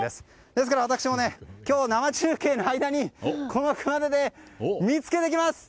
ですから私も今日、生中継の間にこの熊手で見つけてきます。